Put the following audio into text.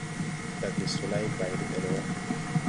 Dage solay bay de-́ɛl wà.